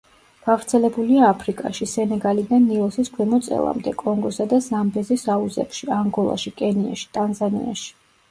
გავრცელებულია აფრიკაში, სენეგალიდან ნილოსის ქვემო წელამდე, კონგოსა და ზამბეზის აუზებში, ანგოლაში, კენიაში, ტანზანიაში.